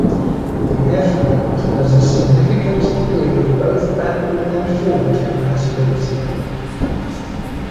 The F-mount has a significant degree of both backward and forward compatibility.